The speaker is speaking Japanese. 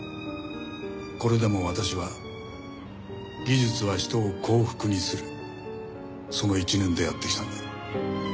これでも私は「技術は人を幸福にする」その一念でやってきたんだ。